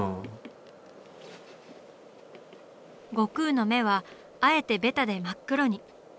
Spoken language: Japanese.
悟空の目はあえてベタで真っ黒に。